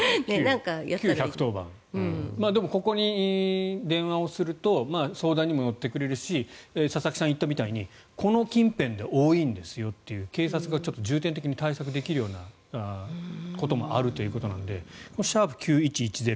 でもここに電話をすると相談にも乗ってくれるし佐々木さんが言ったみたいにこの近辺で多いんですよと警察が重点的に対策できるようなこともあるということなので「＃９１１０」